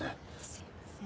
すいません。